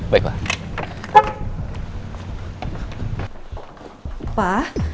mau kemana lagi ma